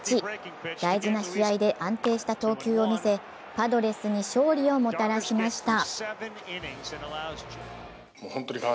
大事な試合で安定した投球を見せパドレスに勝利をもたらしました。